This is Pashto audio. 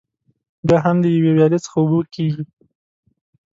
بیا هم له یوې ویالې څخه اوبه کېږي.